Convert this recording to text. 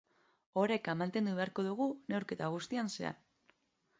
Oreka mantendu behar dugu neurketa guztian zehar.